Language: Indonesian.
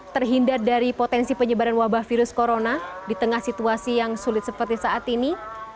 terhindar dari potensi penyebaran wabah virus corona di tengah situasi yang sulit seperti saat ini